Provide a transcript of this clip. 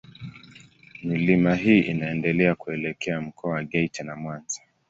Milima hii inaendelea kuelekea Mkoa wa Geita na Mwanza.